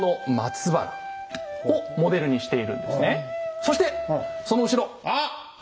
そしてその後ろ。